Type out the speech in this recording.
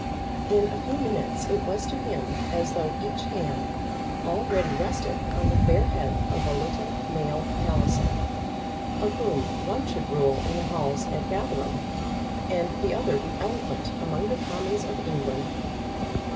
In a few minutes it was to him as though each hand already rested on the fair head of a little male Palliser, of whom one should rule in the halls at Gatherum, and the other be eloquent among the Commons of England.